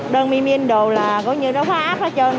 đơn miên miên đồ là có như nó khó áp hết trơn